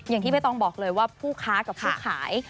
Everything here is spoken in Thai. อย่างที่ไม่ต้องบอกเลยว่าผู้ค้ากับผู้ขาย